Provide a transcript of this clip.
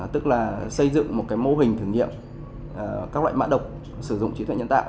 tức là xây dựng một cái mô hình thử nghiệm các loại mã độc sử dụng trí tuệ nhân tạo